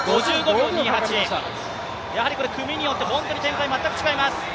組によって本当に展開が全く違います。